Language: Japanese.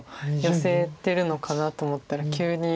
ヨセてるのかなと思ったら急に。